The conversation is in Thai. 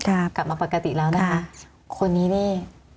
กลับมาปกติแล้วนะคะคนนี้นี่